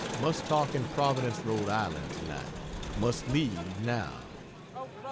Must talk in Providence, R. I., tonight. Must leave now.